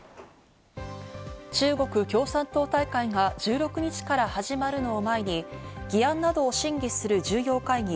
中国共産党大会が１６日から始まるのを前に、議案などを審議する重要会議